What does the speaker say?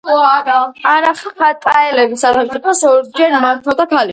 ყარახატაელების სახელმწიფოს ორჯერ მართავდა ქალი.